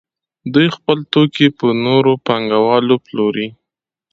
دوی خپل توکي په نورو پانګوالو پلوري